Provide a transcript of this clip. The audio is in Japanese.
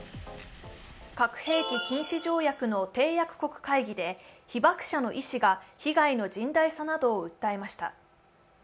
核兵器禁止条約の締約国会議で被爆者の医師が被害の甚大さなどを訴えました。